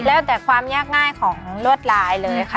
แล้วแต่ความยากง่ายของลวดลายเลยค่ะ